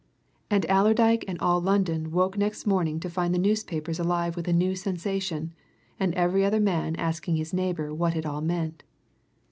And Allerdyke and all London woke next morning to find the newspapers alive with a new sensation, and every other man asking his neighbour what it all meant.